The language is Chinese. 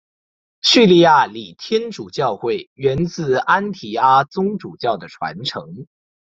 叙利亚礼天主教会源自安提阿宗主教的传承。